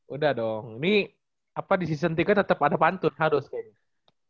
udah dong ini di season tiga tetap ada pantun harus kayaknya